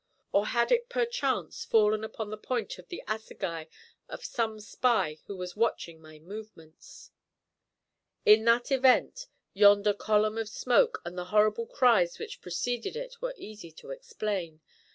Or had it perchance fallen upon the point of the assegai of some spy who was watching my movements! In that event yonder column of smoke and the horrible cries which preceded it were easy to explain.